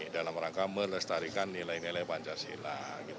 dalam rangka melestarikan nilai nilai pancasila